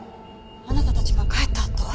あなたたちが帰ったあと。